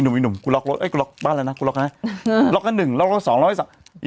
อิหนุ่มอิหนุ่มกูล็อครถเอ้ยกูล็อคบ้านละนะกูล็อคละนะอืมล็อคละหนึ่งล็อคละสองล็อคละสี่